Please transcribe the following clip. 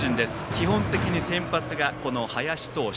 基本的に先発がこの林投手。